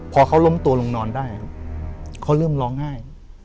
พอเขาล้มตัวลงนอนได้ครับเขาเริ่มร้องไห้